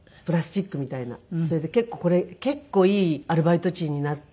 それで結構これ結構いいアルバイト賃になって。